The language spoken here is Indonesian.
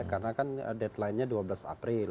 karena kan deadline nya dua belas april